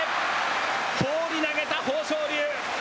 放り投げた豊昇龍。